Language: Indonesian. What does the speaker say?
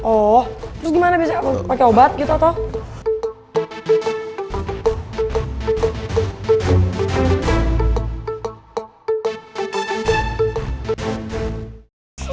oh terus gimana biasanya pake obat gitu atau